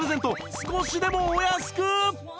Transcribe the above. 少しでもお安く！